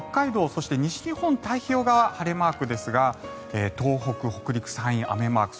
そして西日本、太平洋側は晴れマークですが東北、北陸、山陰は雨マーク。